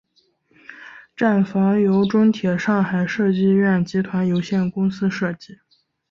站房由中铁上海设计院集团有限公司设计。